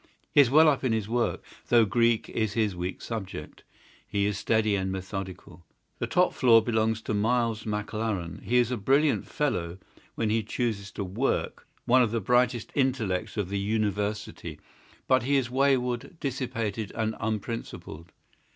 He is well up in his work, though his Greek is his weak subject. He is steady and methodical. "The top floor belongs to Miles McLaren. He is a brilliant fellow when he chooses to work—one of the brightest intellects of the University, but he is wayward, dissipated, and unprincipled.